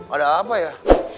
ada apa ya